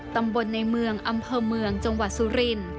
ตำบลในเมืองอำเภอเมืองจังหวัดสุรินทร์